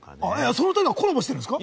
その２人がコラボしてるんですか？